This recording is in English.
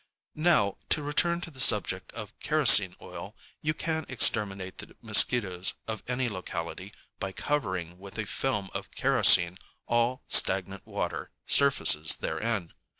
Now, to return to the subject of kerosene oil, you can exterminate the mosquitoes of any locality by covering with a film of kerosene all stagnant water surfaces therein.